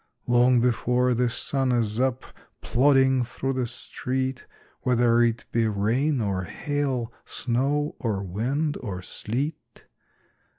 Long before the sun is up, Plodding through the street, Whether it be rain or hail, Snow or wind or sleet.